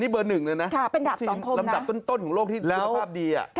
นี่เบอร์หนึ่งเลยนะรำดับต้นของโลกที่คุณภาพดีน่ะค่ะเป็นดาบสองคม